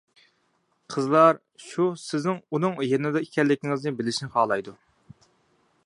قىزلار شۇ سىزنىڭ ئۇنىڭ يېنىدا ئىكەنلىكىڭىزنى بىلىشنى خالايدۇ.